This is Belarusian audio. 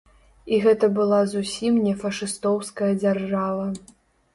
І гэта была зусім не фашыстоўская дзяржава.